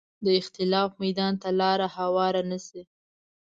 د اختلاف میدان ته لاره هواره نه شي